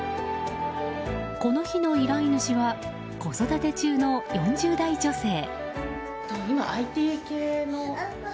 この日の依頼主は子育て中の４０代女性。